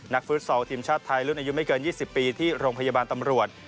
ฟุตซอลทีมชาติไทยรุ่นอายุไม่เกิน๒๐ปีที่โรงพยาบาลตำรวจ